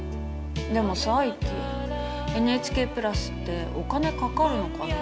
でもさイッキＮＨＫプラスってお金かかるのかな。